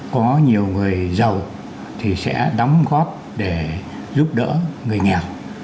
có nhiều người giàu thì sẽ đóng góp để giúp đỡ người nghèo